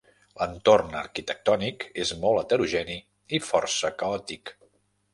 L'entorn arquitectònic és molt heterogeni i força caòtic.